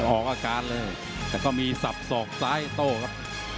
ออกอาการเลยแต่ก็มีสับสอกซ้ายโต้ครับ